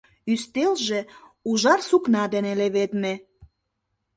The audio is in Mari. Ӱстелже ужар сукна дене леведме.